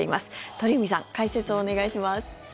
鳥海さん、解説をお願いします。